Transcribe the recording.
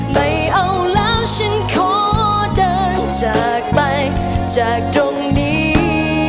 ไม่เอาแล้วฉันขอเดินจากไปจากตรงนี้